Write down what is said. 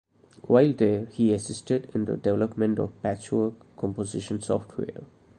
While there, he assisted in the development of Patchwork composition software.